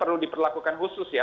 perlu diperlakukan khusus ya